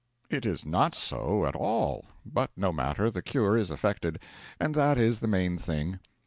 It is not so, at all; but no matter, the cure is effected, and that is the main thing.